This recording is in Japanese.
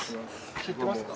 知ってますか？